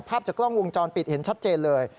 ภาพจากกล้องวงจรปิดเห็นชัดเจนเลย